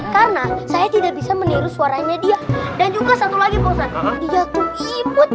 karena saya tidak bisa meniru suaranya dia dan juga satu lagi